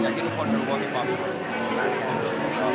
มากรปลอดภัยสบายใจ